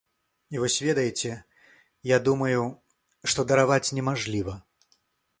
І вось ведаеце, я думаю, што дараваць немажліва?